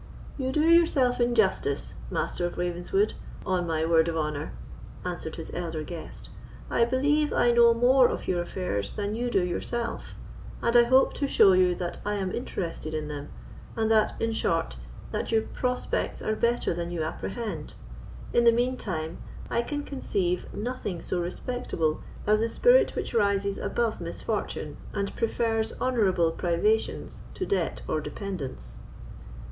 "You do yourself injustice, Master of Ravenswood, on my word of honour," answered his elder guest. "I believe I know more of your affairs than you do yourself, and I hope to show you that I am interested in them; and that—in short, that your prospects are better than you apprehend. In the mean time, I can conceive nothing so respectable as the spirit which rises above misfortune, and prefers honourable privations to debt or dependence."